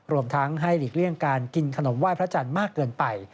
รวมทั้งให้หลีกเลี่ยงการกินขนมไหว้พระจันทร์มากเกินไป